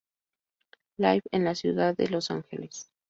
Live en la ciudad de Los Ángeles.